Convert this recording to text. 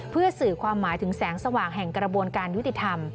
เพื่อสื่อความหมายถึงแสงสว่างแห่งกระบวนการยุติธรรม